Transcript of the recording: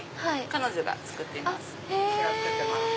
彼女が作ってます。